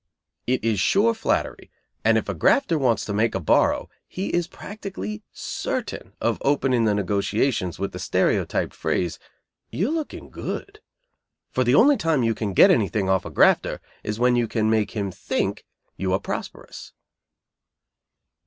It is sure flattery, and if a grafter wants to make a borrow he is practically certain of opening the negotiations with the stereotyped phrase: "You are looking good;" for the only time you can get anything off a grafter is when you can make him think you are prosperous.